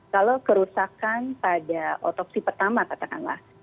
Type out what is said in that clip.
kalau kerusakan pada otopsi pertama katakanlah